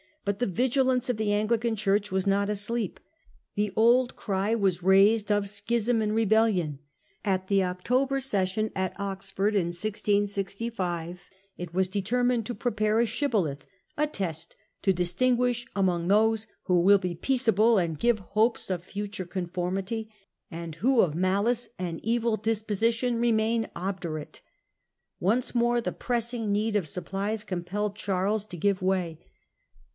But the vigilance of the Anglican Church was not asleep. The old cry was raised of * schism and rebellion.* At the October session at Oxford in 1665 it was determined ' to prepare a shibboleth, a test to distinguish amongst those who will be peaceable and give hopes of future conformity, and who of malice and evil disposition remain obdurate.* Once more the pressing need of supplies compelled Charles to give way.